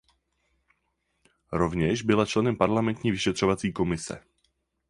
Rovněž byla členem parlamentní vyšetřovací komise.